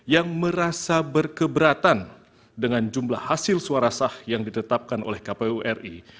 yang merasa berkeberatan dengan jumlah hasil suara sah yang ditetapkan oleh kpu ri